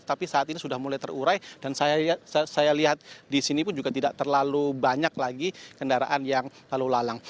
tapi saat ini sudah mulai terurai dan saya lihat di sini pun juga tidak terlalu banyak lagi kendaraan yang lalu lalang